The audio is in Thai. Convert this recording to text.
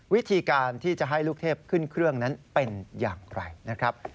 วิธีการที่จะให้ลูกเทพขึ้นเครื่องนั้นเป็นอย่างไรนะครับ